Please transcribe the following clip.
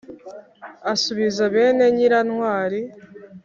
asubiza bene nyirantwali